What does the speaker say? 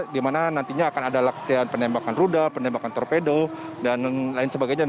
di mana nantinya akan ada latihan penembakan rudal penembakan torpedo dan lain sebagainya